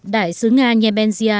đại sứ nga nebensia